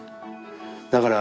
だから